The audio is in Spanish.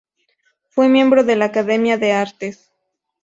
Fue miembro de la Academia de Artes.